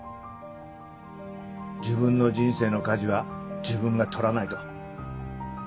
自分の人生の舵は自分が取らないと。